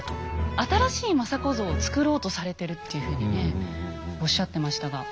新しい政子像をつくろうとされてるっていうふうにねおっしゃってましたが。